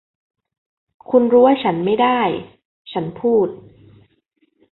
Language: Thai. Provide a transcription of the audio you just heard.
คุณรู้ว่าฉันไม่ได้ ฉันพูด